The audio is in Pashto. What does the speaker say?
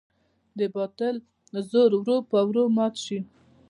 د باطل زور ورو په ورو مات شي.